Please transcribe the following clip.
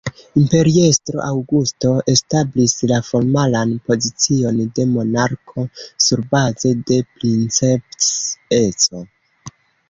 Imperiestro Aŭgusto establis la formalan pozicion de monarko surbaze de "princeps"-eco.